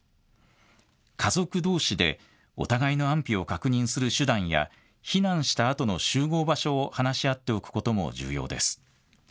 家族どうしでお互いの安否を確認する手段や避難したあとの集合場所を話し合っておくことも重要です。